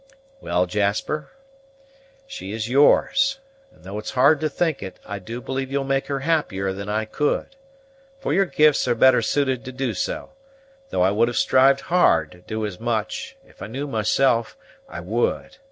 Well, Jasper, she is yours; and, though it's hard to think it, I do believe you'll make her happier than I could, for your gifts are better suited to do so, though I would have strived hard to do as much, if I know myself, I would.